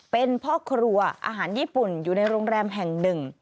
เป็นพ่อครัวอาหารญี่ปุ่นอยู่ในโรงแรมแห่งหนึ่ง